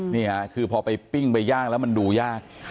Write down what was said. นี่ค่ะคือพอไปปิ้งไปย่างแล้วมันดูยาก